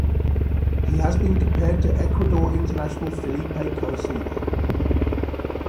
He has been compared to Ecuador international Felipe Caicedo.